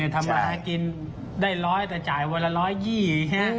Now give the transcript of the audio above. ทำมากินได้ร้อยแต่จ่ายวันละร้อยยี่